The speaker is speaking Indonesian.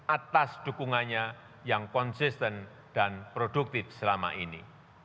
atas dukungannya yang konsisten dan produktif selama ini